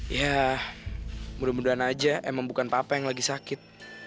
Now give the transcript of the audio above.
ya mudah mudahan aja emang bukan papa yang lagi sakit